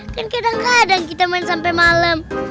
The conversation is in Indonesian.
kan kadang kadang kita main sampe malem